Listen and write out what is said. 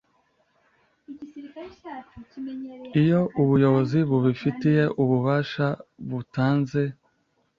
Iyo ubuyobozi bubifitiye ububasha butanze